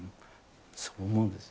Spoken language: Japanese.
そう思うんですよ。